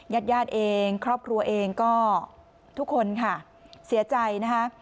ญาติญาติเองครอบครัวเองก็ทุกคนค่ะเสียใจนะคะ